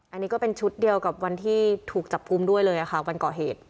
อันนี้ก็เป็นชุดเดียวกับวันที่ถูกจับกุมด้วยเลยค่ะวันก่อเหตุ